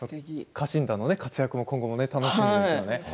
家臣団の活躍も楽しみですね。